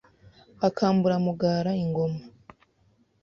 Akambura Mugara ingoma